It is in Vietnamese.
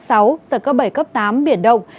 giật cấp bảy tám biển động